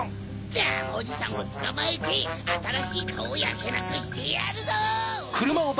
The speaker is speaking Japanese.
ジャムおじさんをつかまえてあたらしいカオをやけなくしてやるぞ！